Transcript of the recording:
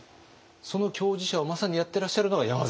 その共事者をまさにやってらっしゃるのが山崎さん。